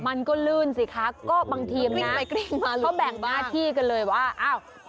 มันก็ลื่นสิคะก็บางทีมน่ะเขาแบ่งหน้าที่กันเลยว่า